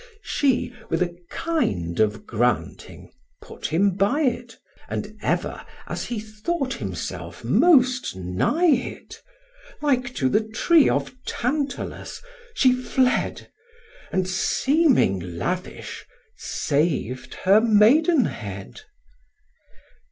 She, with a kind of granting, put him by it, And ever, as he thought himself most nigh it, Like to the tree of Tantalus, she fled, And, seeming lavish, sav'd her maidenhead.